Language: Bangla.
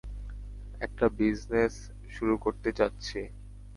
একটা বিজনেস শুরু করতে চাচ্ছি?